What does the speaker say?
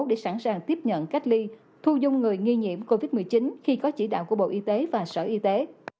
để sẵn sàng tiếp nhận cách ly thu dung người nghi nhiễm covid một mươi chín khi có chỉ đạo của bộ y tế và sở y tế